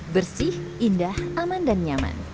bersih indah aman dan nyaman